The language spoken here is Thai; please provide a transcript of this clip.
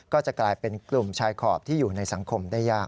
ก็จะกลายเป็นกลุ่มชายขอบที่อยู่ในสังคมได้ยาก